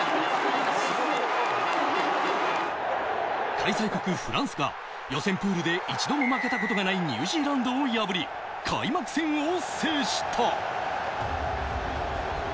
開催国・フランスが予選プールで一度も負けたことがないニュージーランドを破り、開幕戦を制した。